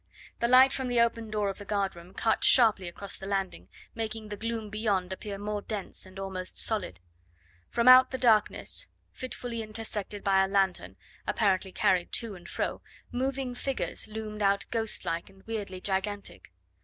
The light from the open door of the guard room cut sharply across the landing, making the gloom beyond appear more dense and almost solid. From out the darkness, fitfully intersected by a lanthorn apparently carried to and fro, moving figures loomed out ghost like and weirdly gigantic.